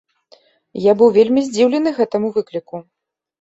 Я быў вельмі здзіўлены гэтаму выкліку.